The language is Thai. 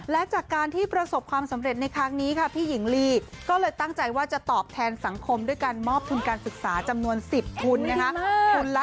และจากการที่ประสบความสำเร็จในครั้งนี้ค่ะพี่หญิงลีก็เลยตั้งใจว่าจะตอบแทนสังคมด้วยการมอบทุนการศึกษาจำนวน๑๐ทุนนะคะ